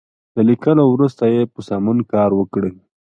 له ليکلو وروسته یې په سمون کار وکړئ.